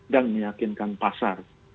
dan meyakinkan pasar